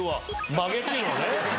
まげっていうのはね。